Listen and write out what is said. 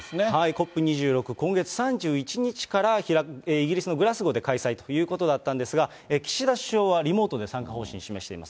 ＣＯＰ２６、今月２３日からイギリスのグラスゴーで開催ということだったんですが、岸田首相はリモートで参加表明しています。